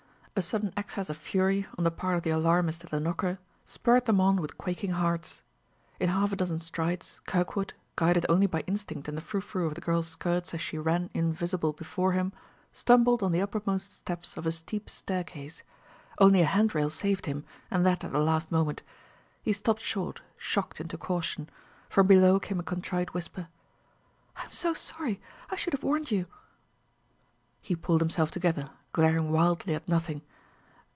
A sudden access of fury on the part of the alarmist at the knocker, spurred them on with quaking hearts. In half a dozen strides, Kirkwood, guided only by instinct and the frou frou of the girl's skirts as she ran invisible before him, stumbled on the uppermost steps of a steep staircase; only a hand rail saved him, and that at the last moment. He stopped short, shocked into caution. From below came a contrite whisper: "I'm so sorry! I should have warned you." He pulled himself together, glaring wildly at nothing.